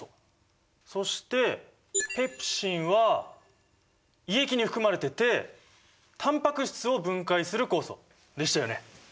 そしてペプシンは胃液に含まれててタンパク質を分解する酵素でしたよね？